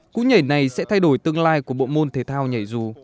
cú nhảy này sẽ thay đổi tương lai của bộ môn thể thao nhảy dù